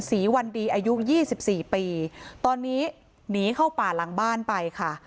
ศรีวันดีอายุยี่สิบสี่ปีตอนนี้หนีเข้าป่าหลังบ้านไปค่ะ